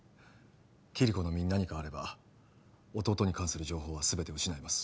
キリコの身に何かあれば弟に関する情報は全て失います